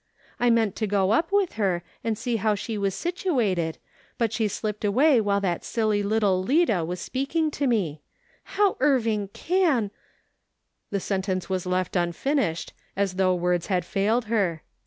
I meant to go up with her, and see how she was situated, but she slipped away while that silly little Lida was talking to me. How Irving can —.'" The sentence was left unfinished, as though words had failed her.